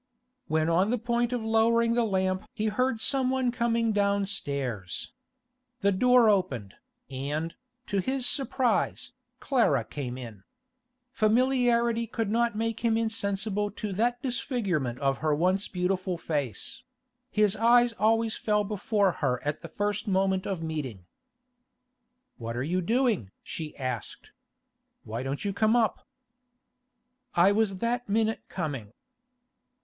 When on the point of lowering the lamp he heard someone coming downstairs. The door opened, and, to his surprise, Clara came in. Familiarity could not make him insensible to that disfigurement of her once beautiful face; his eyes always fell before her at the first moment of meeting. 'What are you doing?' she asked. 'Why don't you come up?' 'I was that minute coming.